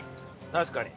確かに。